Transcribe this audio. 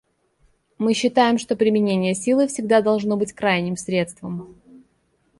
Мы считаем, что применение силы всегда должно быть крайним средством.